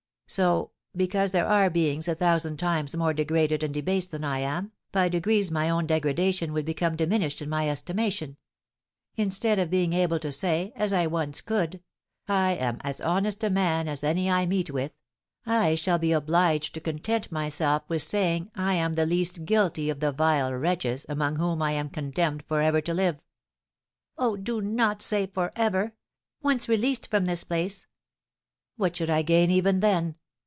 So, because there are beings a thousand times more degraded and debased than I am, by degrees my own degradation would become diminished in my estimation; instead of being able to say, as I once could, 'I am as honest a man as any I meet with,' I shall be obliged to content myself with saying I am the least guilty of the vile wretches among whom I am condemned for ever to live." "Oh, do not say for ever! Once released from this place " "What should I gain even then?